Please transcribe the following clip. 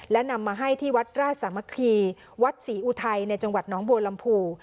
และนำมาให้ที่วัดราชสามัคคีวัดศรีอุทัยในจังหวัดน้องบัวลำพู